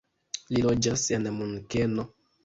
Li loĝas en Munkeno.